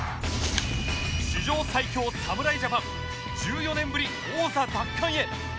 史上最強侍ジャパン１４年ぶり王座奪還へ。